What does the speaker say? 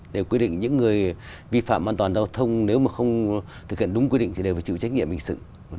đều quy định những người vi phạm an toàn giao thông nếu mà không thực hiện đúng quy định thì đều phải chịu trách nhiệm hình sự